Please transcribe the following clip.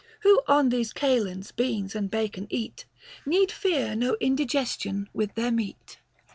Who on these kalends beans and bacon eat, Need fear no indigestion with their meat.